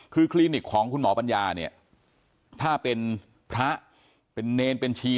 คือคลินิกของคุณหมอปัญญาเนี่ยถ้าเป็นพระเป็นเนรเป็นชี